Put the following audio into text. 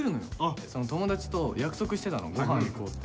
友達と約束してたの御飯行こうって。